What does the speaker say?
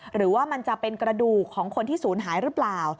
หรือว่ามันจะเป็นกระดูกของคนที่ศูนย์หายหรือเปล่า